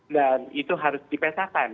dan itu harus dipetakan